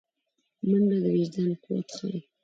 منډه د وجدان قوت ښيي